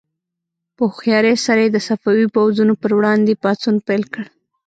په هوښیارۍ سره یې د صفوي پوځونو پر وړاندې پاڅون پیل کړ.